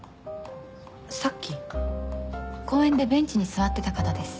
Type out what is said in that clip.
公園でベンチに座ってた方です。